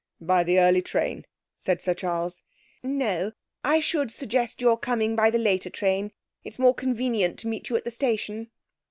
'By the early train,' said Sir Charles. 'No, I should suggest your coming by the later train. It's more convenient to meet you at the station.'